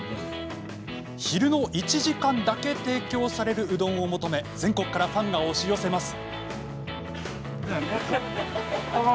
昼の１時間だけ提供されるうどんを求め全国からファンが押し寄せます。